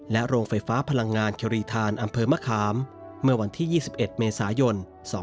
โรงไฟฟ้าพลังงานครีธานอำเภอมะขามเมื่อวันที่๒๑เมษายน๒๕๖